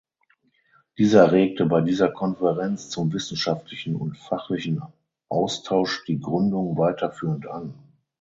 Dieser regte bei dieser Konferenz zum wissenschaftlichen und fachlichen Austausch die Gründung weiterführend an.